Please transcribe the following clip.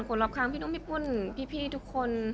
คนรอบครั้งพี่นุ่มพี่ปุ่นพี่ทุกคน